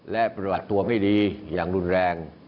และประวัติตัวไม่ดีอย่างรุนแรง